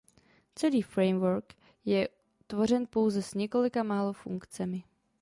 Celý framework je tvořen pouze s několika málo funkcemi.